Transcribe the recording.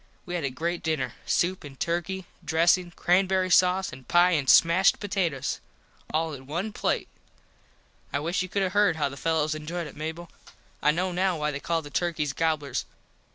We had a great dinner. Soup an turky, dressin, crambury sause an pie an smashed potatoes. All in one plate. I wish you could have heard how the fellos enjoyed it Mable. I know now why they call the turkys gobblers.